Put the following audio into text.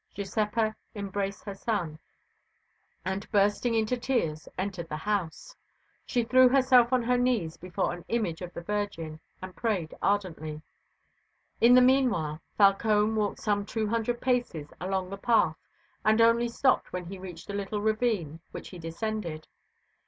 Giuseppa embraced her son, and bursting into tears entered the house. She threw herself on her knees before an image of the Virgin and prayed ardently. In the meanwhile Falcone walked some two hundred paces along the path and only stopped when he reached a little ravine which he descended.